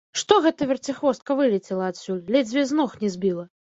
Што гэта верціхвостка вылецела адсюль, ледзьве з ног не збіла.